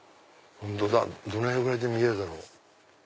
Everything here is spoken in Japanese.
どの辺ぐらいで見えるだろう？